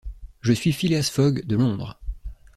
Je suis Phileas Fogg, de Londres.